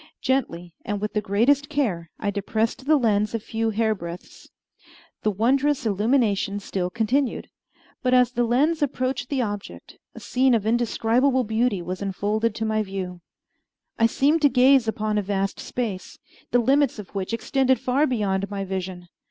Gently, and with the greatest care, I depressed the lens a few hairbreadths. The wondrous illumination still continued, but as the lens approached the object a scene of indescribable beauty was unfolded to my view. I seemed to gaze upon a vast space, the limits of which extended far beyond my vision.